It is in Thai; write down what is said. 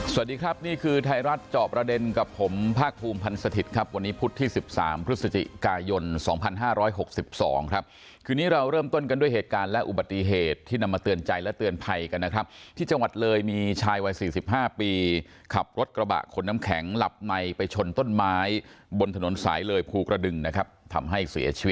สวัสดีครับนี่คือไทยรัฐเจาะประเด็นกับผมภาคภูมิพันธ์สถิตย์ครับวันนี้พุธที่๑๓พฤศจิกายน๒๕๖๒ครับคืนนี้เราเริ่มต้นกันด้วยเหตุการณ์และอุบัติเหตุที่นำมาเตือนใจและเตือนภัยกันนะครับที่จังหวัดเลยมีชายวัย๔๕ปีขับรถกระบะขนน้ำแข็งหลับในไปชนต้นไม้บนถนนสายเลยภูกระดึงนะครับทำให้เสียชีวิต